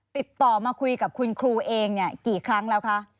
ติดต่อมาคุยกับคุณครูเองกี่ครั้งแล้วคะ